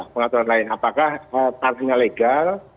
pengaturan lain apakah tarifnya legal